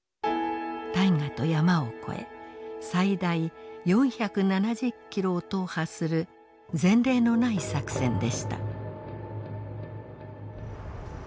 大河と山を越え最大４７０キロを踏破する前例のない作戦でした。